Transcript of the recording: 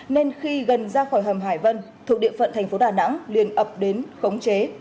nên khi gần ra khỏi hầm hải vân thuộc địa phận tp đà nẵng liên ập đến khống chế